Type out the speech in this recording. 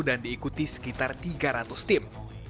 dan diikuti sekitar tiga ratus tim